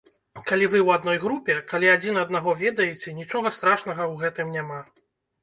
Калі вы ў адной групе, калі адзін аднаго ведаеце, нічога страшнага ў гэтым няма.